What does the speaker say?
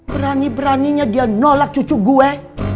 berani beraninya dia nolak cucu gue